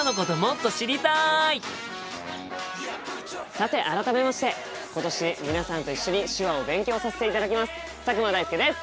さて改めまして今年皆さんと一緒に手話を勉強させていただきます佐久間大介です！